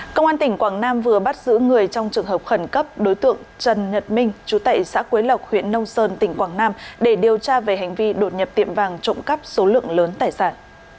công an tỉnh quảng nam vừa bắt giữ người trong trường hợp khẩn cấp đối tượng trần nhật minh chú tệ xã quế lộc huyện nông sơn tỉnh quảng nam để điều tra về hành vi đột nhập tiệm vàng trộm cắp số lượng lớn tài sản